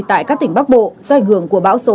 tại các tỉnh bắc bộ do ảnh hưởng của bão số năm